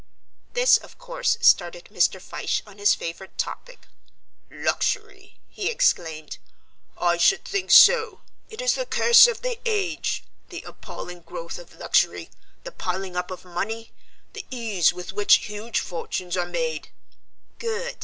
This, of course, started Mr. Fyshe on his favourite topic. "Luxury!" he exclaimed, "I should think so! It is the curse of the age. The appalling growth of luxury, the piling up of money, the ease with which huge fortunes are made" (Good!